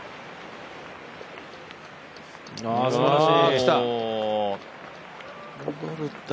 すばらしい！